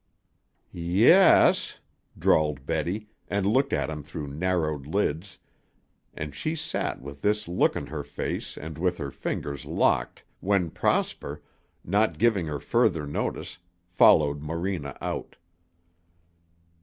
"Ye es," drawled Betty, and looked at him through narrowed lids, and she sat with this look on her face and with her fingers locked, when Prosper, not giving her further notice, followed Morena out.